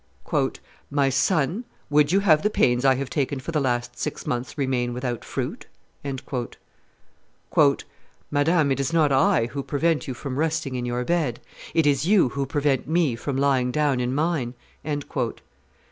"My son, would you have the pains I have taken for the last six months remain without fruit?" "Madame, it is not I who prevent you from resting in your bed; it is you who prevent me from lying down in mine."